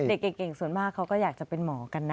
เด็กเก่งส่วนมากเขาก็อยากจะเป็นหมอกันนะ